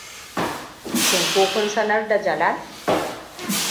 Shin kun sanar da Jalal?